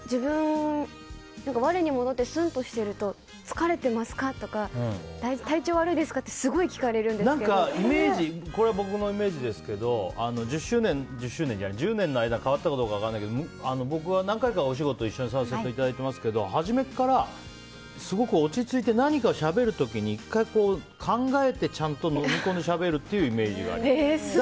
我に戻って、スンとしてると疲れていますか？とか体調が悪いですか？とかこれは僕のイメージですけど１０年の間、変わったかどうか分からないけど僕は何回かお仕事を一緒にさせていただいてますけど初めからすごく落ち着いて何かしゃべる時に１回、考えてちゃんとのみ込んでしゃべるイメージがあります。